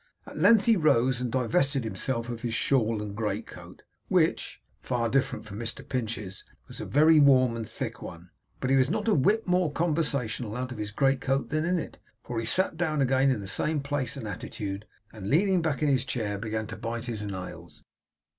At length he rose and divested himself of his shawl and great coat, which (far different from Mr Pinch's) was a very warm and thick one; but he was not a whit more conversational out of his great coat than in it, for he sat down again in the same place and attitude, and leaning back in his chair, began to bite his nails.